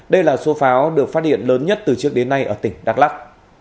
đây là số pháo được phát điện lớn nhất từ trước đến nay ở tỉnh đắk lắc